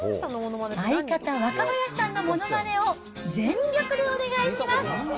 相方、若林さんのものまねを全力でお願いします。